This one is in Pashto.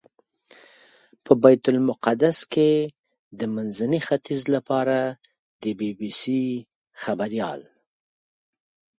په بیت المقدس کې د منځني ختیځ لپاره د بي بي سي خبریال.